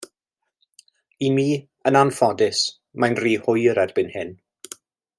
I mi, yn anffodus, mae'n rhy hwyr erbyn hyn.